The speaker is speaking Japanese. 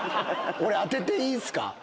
俺、当てていいすか？